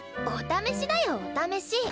お試しだよお試し。